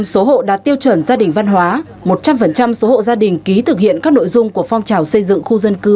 chín mươi tám năm số hộ đã tiêu chuẩn gia đình văn hóa một trăm linh số hộ gia đình ký thực hiện các nội dung của phong trào xây dựng khu dân cư ba